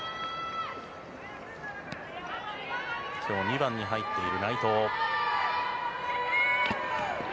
今日２番に入っている内藤。